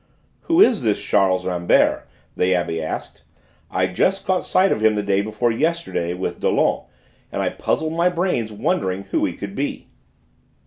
"Who is this Charles Rambert?" the Abbé asked. "I just caught sight of him the day before yesterday with Dollon, and I puzzled my brains wondering who he could be."